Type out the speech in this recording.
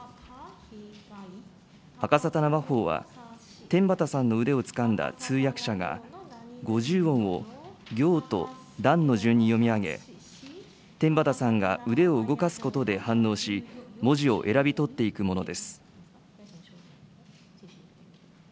あかさたな話法は天畠さんの腕をつかんだ通訳者が、５０音を行と段の順に読み上げ、天畠さんが腕を動かすことで反応し、文字を選び取っていくものです。